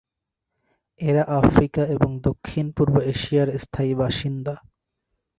এরা আফ্রিকা এবং দক্ষিণ-পূর্ব এশিয়ার স্থায়ী বাসিন্দা।